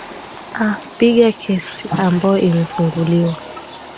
aa pinga kesi ambao imefunguliwa